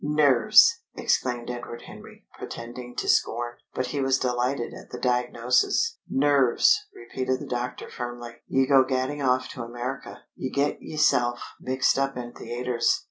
"Nerves!" exclaimed Edward Henry, pretending to scorn. But he was delighted at the diagnosis. "Nerves," repeated the doctor firmly. "Ye go gadding off to America. Ye get yeself mixed up in theatres....